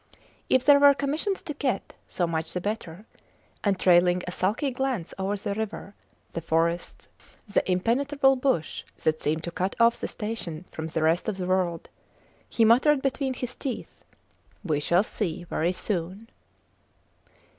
If there were commissions to get, so much the better; and, trailing a sulky glance over the river, the forests, the impenetrable bush that seemed to cut off the station from the rest of the world, he muttered between his teeth, We shall see, very soon.